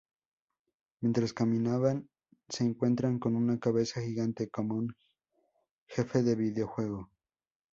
Mientras caminan se encuentran con una "cabeza gigante", como un jefe de videojuego.